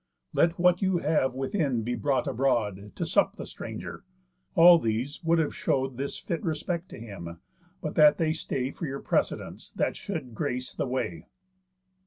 Let what you have within be brought abroad, To sup the stranger. All these would have show'd This fit respect to him, but that they stay For your precedence, that should grace the way."